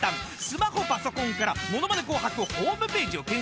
スマホパソコンから『ものまね紅白』ホームページを検索。